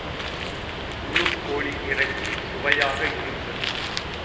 முழுக் கோழி இறைச்சி சுவையாக இருந்தது.